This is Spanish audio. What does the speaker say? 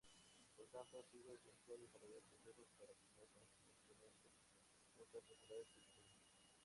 Por tanto ha sido esencial desarrollar procesos para obtener consistentemente puntas afiladas y útiles.